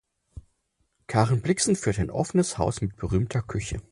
Karen Blixen führte ein offenes Haus mit berühmter Küche.